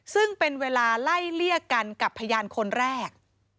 ซึ่งเป็นเวลาไล่เลี่ยกันกับพยานคนแรก